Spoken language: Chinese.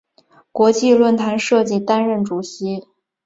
国际论坛设计担任主席。